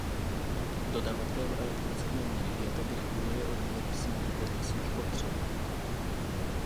Dodavatel elektrické energie tak reguluje odběr v síti podle svých potřeb.